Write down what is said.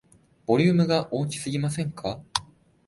ボリュームが大きすぎませんか